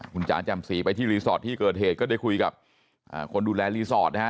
คุณจ๋าแจ่มสีไปที่รีสอร์ทที่เกิดเหตุก็ได้คุยกับคนดูแลรีสอร์ทนะฮะ